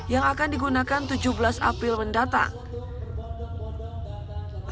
yang akan digunakan tujuh belas april mendatang